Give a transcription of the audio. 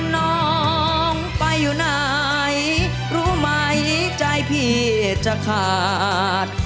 น้องไปอยู่ไหนรู้ไหมใจพี่จะขาด